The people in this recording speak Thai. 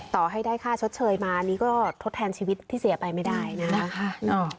ต่อให้ได้ค่าชดเชยมานี่ก็ทดแทนชีวิตที่เสียไปไม่ได้นะคะ